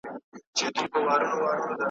چي له ستوني دي آواز نه وي وتلی .